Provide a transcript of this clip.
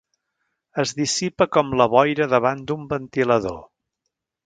Es dissipa com la boira davant d'un ventilador.